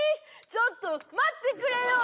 ちょっと待ってくれよ！